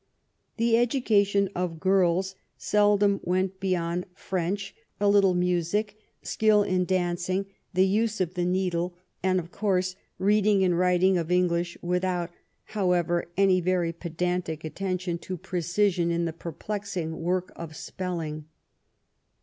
The education of girls seldom went beyond French, 187 THE REIGN OF QUEEN ANNE a little music, skill in dancing, the use of the needle, and, of course, reading and writing of English with out, however, any very pedantic attention to precision in the perplexing work of spelling.